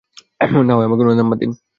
নাহয় আমাকে উনার নম্বর দিন।